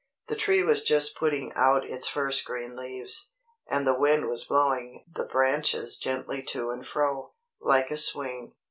The tree was just putting out its first green leaves, and the wind was blowing the branches gently to and fro, like a swing.